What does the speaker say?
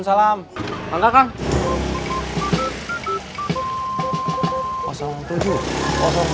setetau kamu ngumpet dang